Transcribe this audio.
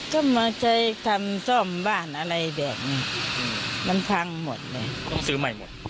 ก็มาใช้ทำซ่อมบ้านอะไรแบบนี้มันพังหมดเลยต้องซื้อใหม่หมด